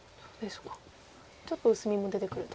ちょっと薄みも出てくると。